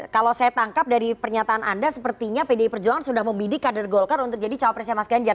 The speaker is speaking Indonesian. kalau saya tangkap dari pernyataan anda sepertinya pdi perjuangan sudah membidik kader golkar untuk jadi cawapresnya mas ganjar